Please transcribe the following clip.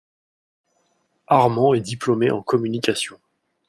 Harmon est diplômé en communication.